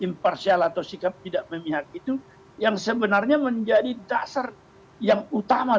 imparsial atau sikap tidak memihak itu yang sebenarnya menjadi dasar yang utama